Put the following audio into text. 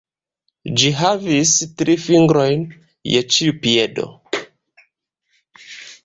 Ĝi havis tri fingrojn je ĉiu piedo.